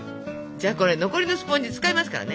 じゃあこれ残りのスポンジ使いますからね。